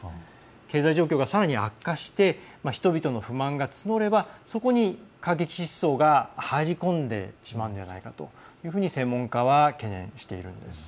経済状況がさらに悪化して人々の不満が募ればそこに過激思想が入り込んでしまうのではないかと専門家は懸念しているんです。